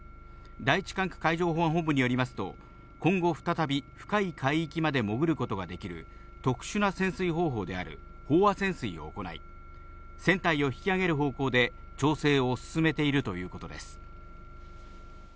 第１管区海上保安本部によりますと、今後再び深い海域まで潜ることができる、特殊な潜水方法である飽和潜水を行い、船体を引き揚げる方向で調整を進めているということです。